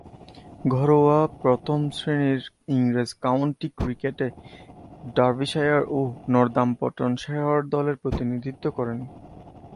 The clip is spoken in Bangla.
ঘরোয়া প্রথম-শ্রেণীর ইংরেজ কাউন্টি ক্রিকেটে ডার্বিশায়ার ও নর্দাম্পটনশায়ার দলের প্রতিনিধিত্ব করেন।